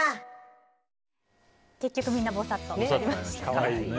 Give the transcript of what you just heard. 結局、みんなぼさっとなりましたね。